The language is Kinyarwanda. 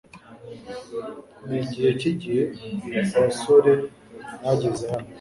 Nigihe cyigihe abasore mwageze hano